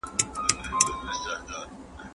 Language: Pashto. هيڅ ټولنه په يو حالت نه پاته کيږي.